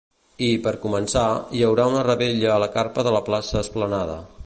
I, per començar, hi haurà una revetlla a la carpa de la Plaça Esplanada.